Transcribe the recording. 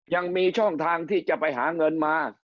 ยังมีช่องทางที่จะไปหาเงินมา